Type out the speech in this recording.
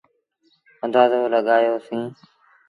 اندآزو لڳآيو سيٚݩ۔